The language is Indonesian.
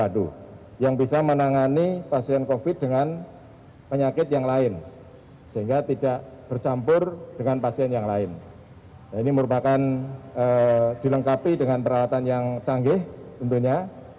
dengan pasien yang lain ini merupakan dilengkapi dengan perawatan yang canggih sebetulnya